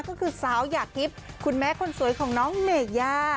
ก็คือสาวหยาดทิพย์คุณแม่คนสวยของน้องเมย่า